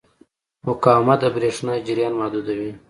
مقاومت د برېښنا جریان محدودوي.